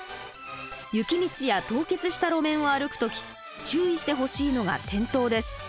雪道や凍結した路面を歩く時注意してほしいのが転倒です。